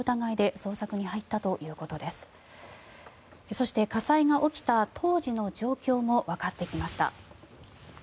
そして、火災が起きた当時の状況もわかってきました。